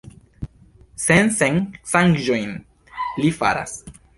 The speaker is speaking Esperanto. Sensencaĵojn li faras!